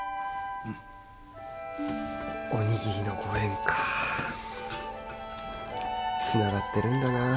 おにぎりのご縁かつながってるんだな